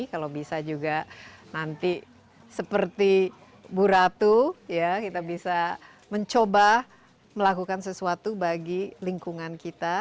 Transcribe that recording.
kalau bisa juga nanti seperti bu ratu ya kita bisa mencoba melakukan sesuatu bagi lingkungan kita